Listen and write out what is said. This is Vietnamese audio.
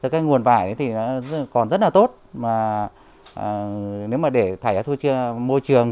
cái nguồn vải thì nó còn rất là tốt mà nếu mà để thải ra thôi môi trường